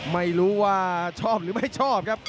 ไม่รู้ว่าชอบหรือไม่ชอบครับ